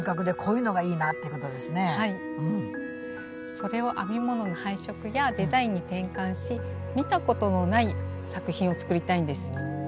それを編み物の配色やデザインに転換し見たことのない作品を作りたいんです。